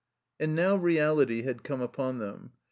And now reality had come upon them.